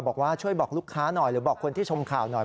บอกว่าช่วยบอกลูกค้าหน่อยหรือบอกคนที่ชมข่าวหน่อย